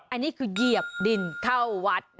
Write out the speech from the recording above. อันนี้คือเหยียบดินเข้าวัด